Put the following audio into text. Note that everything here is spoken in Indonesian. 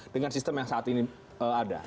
dengan sistem yang saat ini ada